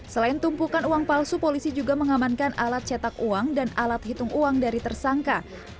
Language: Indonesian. selain tumpukan uang palsu polisi juga mengamankan alat cetak uang dan alat hitung uang dari tersangka